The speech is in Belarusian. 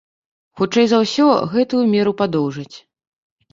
Хутчэй за ўсё, гэтую меру падоўжаць.